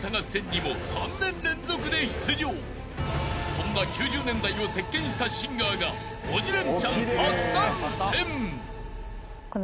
［そんな９０年代を席巻したシンガーが鬼レンチャン初参戦！］